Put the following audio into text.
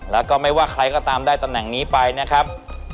แล้วก็ไม่ว่าใครก็ตามได้ตำแหน่งนี้ไปนะครับ